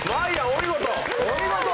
お見事！